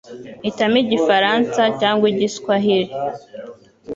hitamo Igifaransa cyangwa igiswahiri